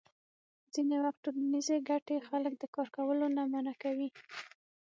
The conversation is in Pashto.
ځینې وخت ټولنیزې ګټې خلک د کار کولو نه منع کوي.